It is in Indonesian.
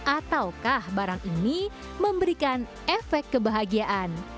ataukah barang ini memberikan efek kebahagiaan